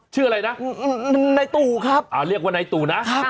ชื่อว่าไนตู